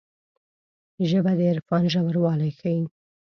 ژبه د عرفان ژوروالی ښيي